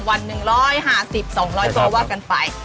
วัน๑๕๐๒๐๐ตัวว่ากันไป